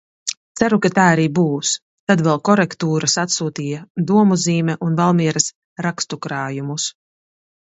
Ceru, ka tā arī būs. Tad vēl korektūras atsūtīja "Domuzīme" un Valmieras rakstu krājumus.